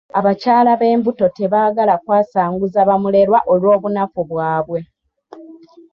Abakyala b'embuto tebaagala kwasanguza ba mulerwa olw'obunafu bwabwe.